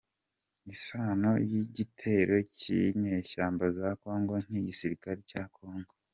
Isano y’igitero cyinyeshyamba za congo n’igisirikare cya Congo